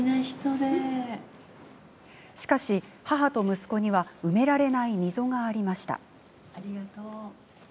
しかし、母と息子には埋められない溝がありました。